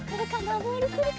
ボールくるか？